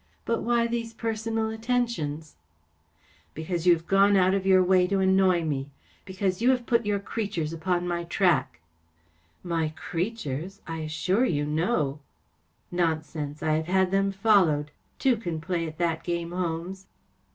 * But why these personal attentions ?"" Because you have gone out of your way to annoy me. Because you have put your creatures upon my track." 41 My creatures ! I assure you no I "" Nonsense ! I have had them followed. Two can play at that game. Holmes."